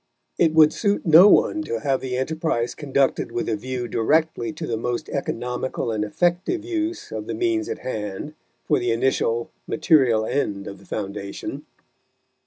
It would suit no one to have the enterprise conducted with a view directly to the most economical and effective use of the means at hand for the initial, material end of the foundation.